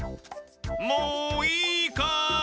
もういいかい？